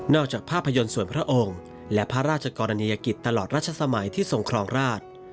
จากภาพยนตร์ส่วนพระองค์และพระราชกรณียกิจตลอดรัชสมัยที่ทรงครองราช